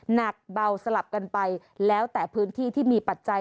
หนักเบาสลับกันไปแล้วแต่พื้นที่ที่มีปัจจัย